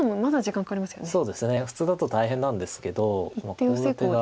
普通だと大変なんですけどコウ立てが。